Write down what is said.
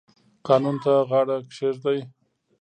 قانون ته غاړه کیږدئ